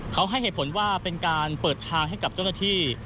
เขาให้เหตุผลว่าเป็นการเปิดทางให้กับเจ้าหน้าที่